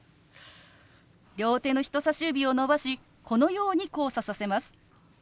両手の人さし指を伸ばしこのように交差させます。